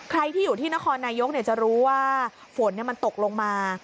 ใครที่อยู่ที่นครนายกจะรู้ว่าฝนมันตกลงมา